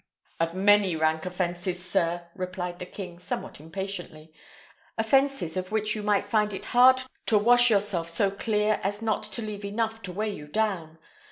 "Of many rank offences, sir!" replied the king, somewhat impatiently; "offences of which you might find it hard to wash yourself so clear as not to leave enough to weigh you down.